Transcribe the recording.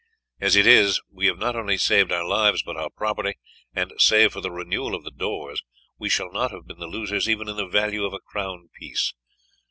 As it is we have not only saved our lives but our property, and save for the renewal of the doors we shall not have been the losers even in the value of a crown piece.